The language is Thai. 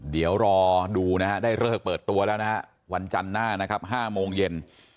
เดี๋ยวรอดูนะฮะได้เลิกเปิดตัวแล้วนะฮะวันจันทร์หน้านะครับ๕โมงเย็น